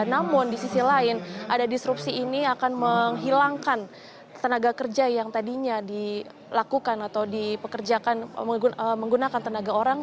namun di sisi lain ada disrupsi ini akan menghilangkan tenaga kerja yang tadinya dilakukan atau dipekerjakan menggunakan tenaga orang